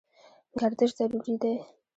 ګردش ضروري دی.